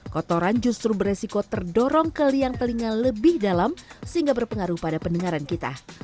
kotoran justru beresiko terdorong ke liang telinga lebih dalam sehingga berpengaruh pada pendengaran kita